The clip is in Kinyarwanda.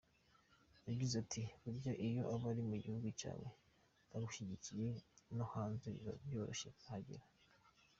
Yagize ati “Burya iyo abo mu gihugu cyawe bagushyigikiye no hanze biba byoroshye kuhagera.